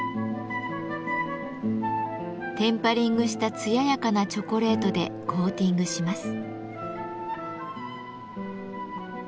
テンパリングした艶やかなチョコレートでコーティングします。